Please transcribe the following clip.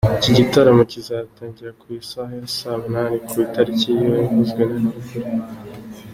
Iki gitaramo kizatangira ku isaha ya saa munani ku itariki yavuzwe haruguru.